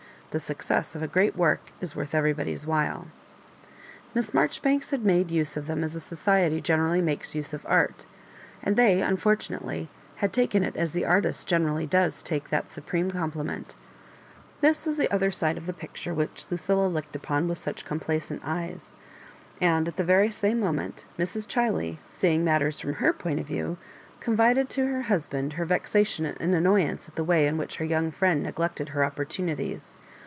i ihe success of a great work is worth everybody's while. Miss Marjori banks had made use of them as society gene rally makes use of art, and they unfortunately had taken it as the artist generally does take that supreme compliment This was the other side of the picture which Lucilla looked upon with such complacent eyes ; and at the very same moment Mrs. Chiley, seeing matters from her point of view, confided to her husband her vexation and annoyance at the way in which her young friend neglected her opportunities.